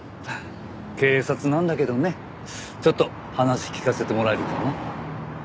警察なんだけどねちょっと話聞かせてもらえるかな？